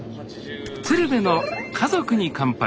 「鶴瓶の家族に乾杯」